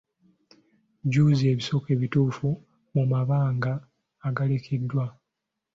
Jjuza ebisoko ebituufu mu mabanga agalekeddwa.